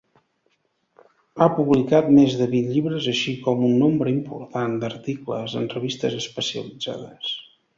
Ha publicat més de vint llibres, així com un nombre important d'articles en revistes especialitzades.